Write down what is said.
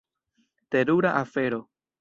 Terura afero.